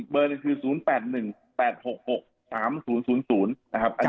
อีกเบอร์นี่คือ๐๘๑๘๖๖๓๓๐๐นะครับ